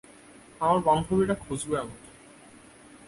আমার বান্ধবীরা খুঁজবে আমাকে।